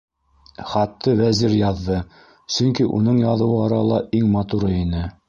Хатты Вәзир яҙҙы, сөнки уның яҙыуы арала иң матуры ине.